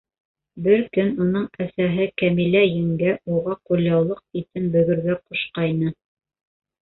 Бер көн уның әсәһе Кәмилә еңгә уға ҡулъяулыҡ ситен бөгөргә ҡушҡайны.